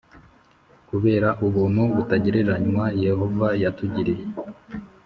Kubera ubuntu butagereranywa Yehova yatugiriye